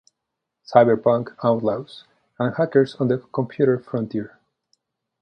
Cyberpunk: Outlaws and Hackers on the Computer Frontier.